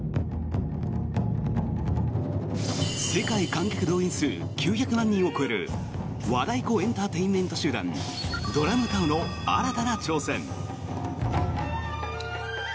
世界観客動員数９００万人を超える和太鼓エンターテインメント集団ＤＲＵＭＴＡＯの新たな挑戦。